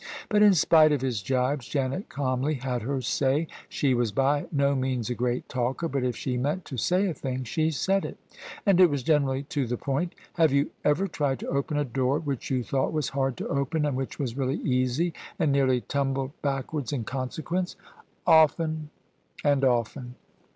But in spite of his gibes Janet calmly had her say. She was by no means a great talker; but if she meant to say a thing she said it, and it was generally to the point " Have you ever tried to open a door which you thought was hard to open and which was really easy; and nearly tumbled backwards in consequence ?"" Often and often."